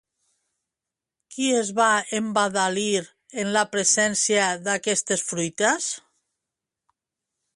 Qui es va embadalir en la presència d'aquestes fruites?